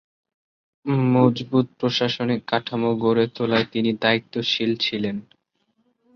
মজবুত প্রশাসনিক কাঠামো গড়ে তোলায় তিনি দায়িত্বশীল ছিলেন।